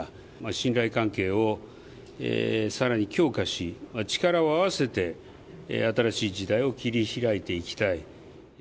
信頼関係をさらに強化し、力を合わせて新しい時代を切りひらいていきたい。